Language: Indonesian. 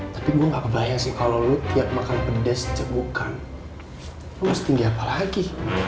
tapi gue gak kebayang sih kalau lu tiap makan pedes cebukan lo setinggi apa lagi